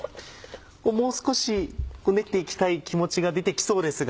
もう少し練っていきたい気持ちが出てきそうですが。